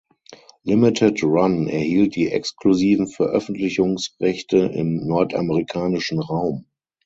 Limited Run erhielt die exklusiven Veröffentlichungsrechte im nordamerikanischen Raum.